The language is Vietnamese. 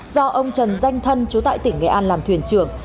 do ông trần danh thân chú tại tỉnh nghệ an làm thuyền trưởng